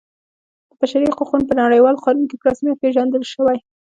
د بشري حقونو په نړیوال قانون کې په رسمیت پیژندل شوی.